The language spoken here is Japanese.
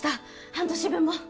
半年分も。